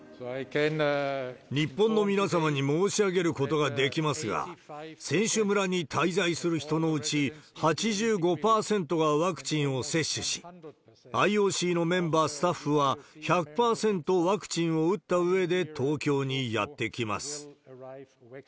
日本の皆様に申し上げることができますが、選手村に滞在する人のうち、８５％がワクチンを接種し、ＩＯＣのメンバー、スタッフは１００％ワクチンを打ったうえで東京にやって来ます。